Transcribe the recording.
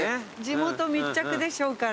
地元密着でしょうから。